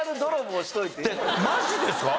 マジですか？